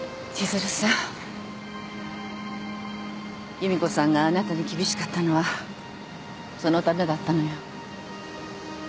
夕美子さんがあなたに厳しかったのはそのためだったのよ。